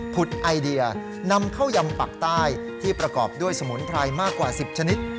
ุดไอเดียนำข้าวยำปักใต้ที่ประกอบด้วยสมุนไพรมากกว่า๑๐ชนิด